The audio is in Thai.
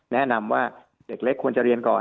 แนะนำว่าเด็กเล็กควรจะเรียนก่อน